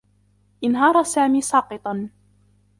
انهار سامي ساقطا.